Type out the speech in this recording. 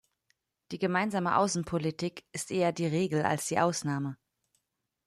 Die gemeinsame Außenpolitik ist eher die Regel als die Ausnahme.